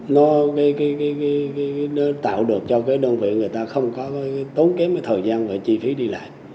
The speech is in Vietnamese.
nó tạo được cho đơn vị người ta không có tốn kém thời gian và chi phí đi lại